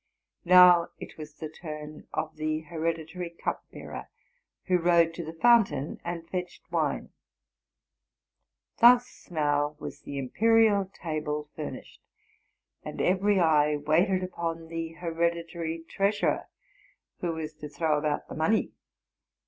Now it was the turn of the hereditary cup bearer. who rode to the fountain and fetched wine. Thus now was the imperial table furnished ; and every eye waited upon the hereditary treasurer, who was to throw about the money.